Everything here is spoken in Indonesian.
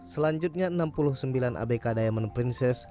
selanjutnya enam puluh sembilan abk diamond princess